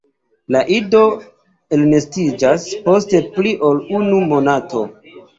La ido elnestiĝas post pli ol unu monato.